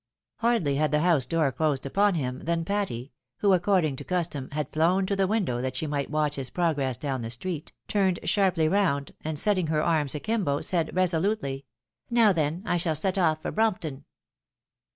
Hardly had the house door closed upon him, than Patty, who, according to custom, had flown to the window that she might watch Hs progress down the street, turned sharply round, 270 THE WIDOW MARRIED. and setting her arms a kimbo, said, resolutely, "Now then, I shall set off for Brompton."